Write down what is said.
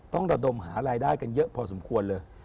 ระดมหารายได้กันเยอะพอสมควรเลย